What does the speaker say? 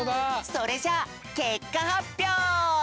それじゃあけっかはっぴょう！